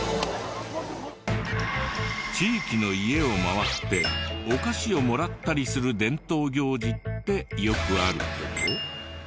地域の家を回ってお菓子をもらったりする伝統行事ってよくあるけど。